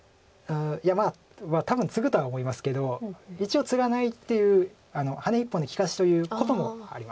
いやまあ多分ツグとは思いますけど一応ツガないっていうハネ１本で利かしということもあります。